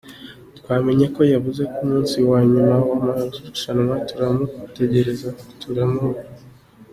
Twamenye ko yabuze ku munsi wa nyuma w’amarushanwa, turamutegereza turamubura.